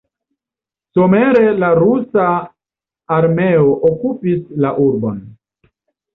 Somere la rusa armeo okupis la urbon.